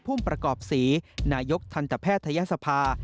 ภูมิประกอบศรีนายกทันตแพทยศภา